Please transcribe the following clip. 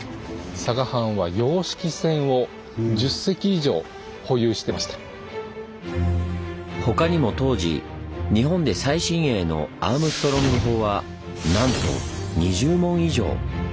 佐賀藩は他にも当時日本で最新鋭のアームストロング砲はなんと２０門以上！